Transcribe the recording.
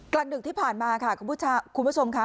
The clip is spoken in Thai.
ดึกที่ผ่านมาค่ะคุณผู้ชมค่ะ